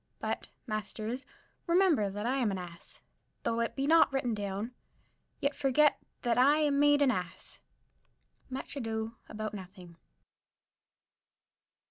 but, masters, remember that I am an ass; though it be not written down, yet forget not that I am made an ass. _Much Ado About Nothing.